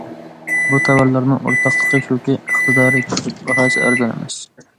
بۇ تاۋارلارنىڭ ئورتاقلىقى شۇكى« ئىقتىدارى كۈچلۈك»، باھاسى ئەرزان ئەمەس.